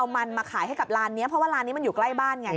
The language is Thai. มันมาขายให้กับร้านนี้เพราะว่าร้านนี้มันอยู่ใกล้บ้านไง